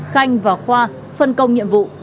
khanh và khoa phân công nhiệm vụ